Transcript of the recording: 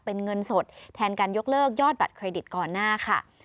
เป็นเงินสดแทนการยกเลิกยอดบัตรเครดิตก่อนหน้าค่ะ